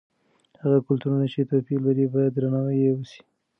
هغه کلتورونه چې توپیر لري باید درناوی یې وسي.